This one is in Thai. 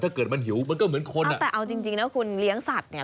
แต่เอาจริงนะคุณเลี้ยงสัตว์เนี่ย